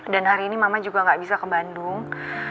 dan hari ini mama juga gak bisa ke bandung